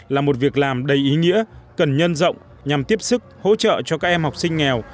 là một việc làm đầy ý nghĩa cần nhân rộng nhằm tiếp sức hỗ trợ cho các em học sinh nghèo